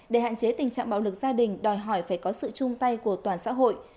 để hạn chế tình trạng bạo lực gia đình đòi hỏi phải có sự chung tay của toàn xã hội